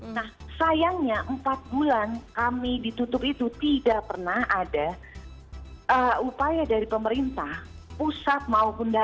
nah sayangnya empat bulan kami ditutup itu tidak pernah ada upaya dari pemerintah pusat maupun daerah